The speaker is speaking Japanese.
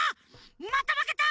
またまけた！